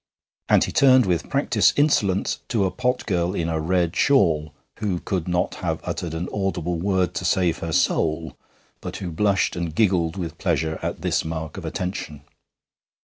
and he turned with practised insolence to a pot girl in a red shawl who could not have uttered an audible word to save her soul, but who blushed and giggled with pleasure at this mark of attention.